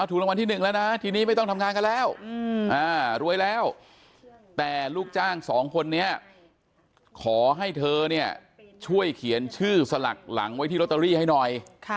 ถูกรางวัลที่หนึ่งแล้วนะทีนี้ไม่ต้องทำงานกันแล้วรวยแล้วแต่ลูกจ้างสองคนนี้ขอให้เธอเนี่ยช่วยเขียนชื่อสลักหลังไว้ที่ลอตเตอรี่ให้หน่อย